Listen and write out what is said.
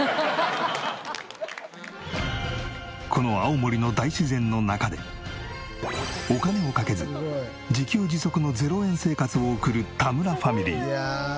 この青森の大自然の中でお金をかけず自給自足の０円生活を送る田村ファミリー。